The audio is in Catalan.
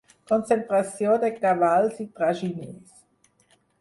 Concentració de cavalls i traginers.